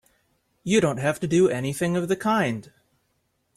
You don't have to do anything of the kind!